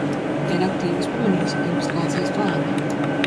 Ja naktī jūs pamanīs, jums klāsies plāni!